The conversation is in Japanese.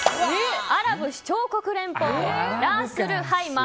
アラブ首長国連邦ラアス・ル・ハイマ